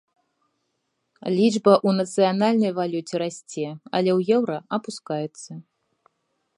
Лічба ў нацыянальнай валюце расце, але ў еўра апускаецца.